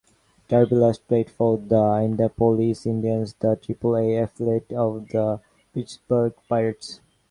Truby last played for the Indianapolis Indians, the Triple-A affiliate of the Pittsburgh Pirates.